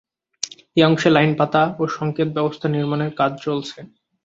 এই অংশে লাইন পাতা ও সংকেত ব্যবস্থা নির্মাণের কাজ চলছে।